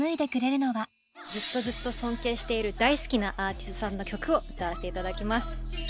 ずっとずっと尊敬している大好きなアーティストさんの曲を歌わせていただきます。